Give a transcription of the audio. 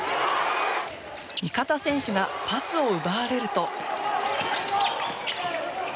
味方選手がパスを奪われると。